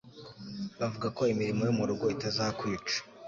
Bavuga ko imirimo yo mu rugo itazakwica,